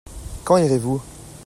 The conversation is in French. Quand irez-vous ?